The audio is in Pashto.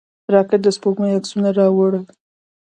راکټ د سپوږمۍ عکسونه راوړل